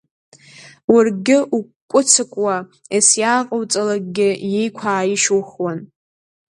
Уаргьы укәкәы-цыкәуа, ес-иааҟоуҵалакгьы иеиқәа ааишьухуан.